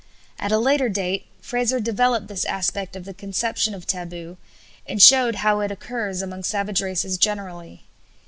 At a later date Frazer developed this aspect of the conception of taboo, and showed how it occurs among savage races generally.